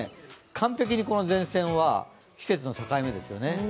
完璧にこの前線は季節の境目ですよね。